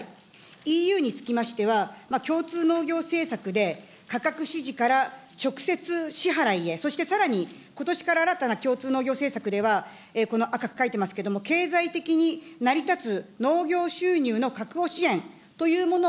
ＥＵにつきましては、共通農業政策で、価格指示から直接支払へ、そしてさらに、ことしから新たな共通農業政策では、この赤く書いてますけれども、経済的に成り立つ農業収入の確保支援というもの